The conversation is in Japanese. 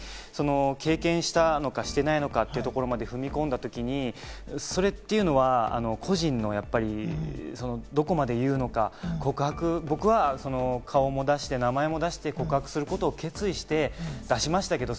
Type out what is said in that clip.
仮に経験したのかしてないのかというところまで踏み込んだときにそれというのは個人のどこまで言うのか、僕は顔も出して名前も出して、告白することを決意して出しましたけれども。